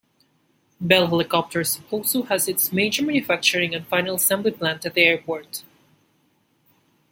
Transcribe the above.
Bell Helicopters also has its major manufacturing and final assembly plant at the airport.